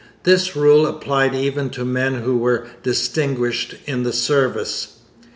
This rule applied even to men who were distinguished in the service.